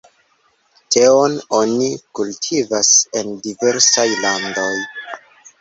Teon oni kultivas en diversaj landaj.